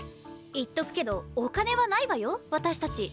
言っとくけどお金はないわよ私たち。